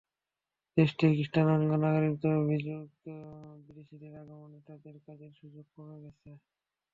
দেশটির কৃষ্ণাঙ্গ নাগরিকদের অভিযোগ, বিদেশিদের আগমনে তাঁদের কাজের সুযোগ কমে গেছে।